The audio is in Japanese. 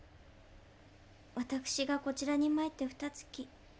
私がこちらに参ってふたつき。